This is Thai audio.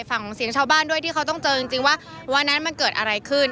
ฝั่งของเสียงชาวบ้านด้วยที่เขาต้องเจอจริงว่าวันนั้นมันเกิดอะไรขึ้น